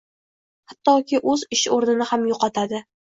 hattoki o‘z ish o‘rnini ham yo‘qotadi.